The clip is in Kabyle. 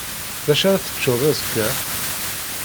D acu ara teččeḍ azekka?